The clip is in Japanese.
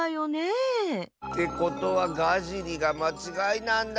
ってことはガジリがまちがいなんだ。